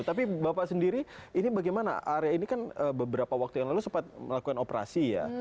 tapi bapak sendiri ini bagaimana area ini kan beberapa waktu yang lalu sempat melakukan operasi ya